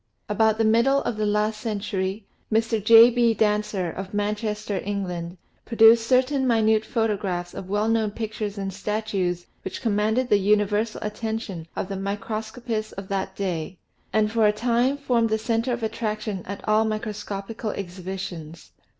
About the middle of the last century Mr. J. B. Dancer, of Manchester, England, produced certain minute photo MICROGRAPHY AND MICROPHOTOGRAPHY 145 graphs of well known pictures and statues which com manded the universal attention of the microscopists of that day, and for a time formed the center of attraction at all microscopical exhibitions.